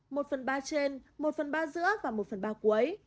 một phần ba trên một phần ba giữa và một phần ba cuối